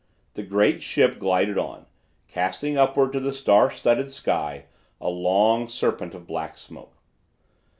The great ship glided on, casting upward to the star studded sky a long serpent of black smoke.